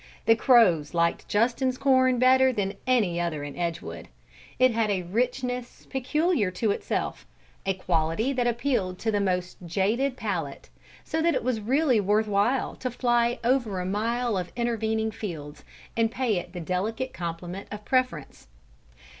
The crows liked Justin's corn better than any other in Edgewood. It had a richness peculiar to itself, a quality that appealed to the most jaded palate, so that it was really worth while to fly over a mile of intervening fields and pay it the delicate compliment of preference.